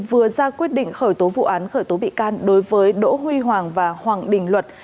vừa ra quyết định khởi tố vụ án khởi tố bị can đối với đỗ huy hoàng và hoàng đình luật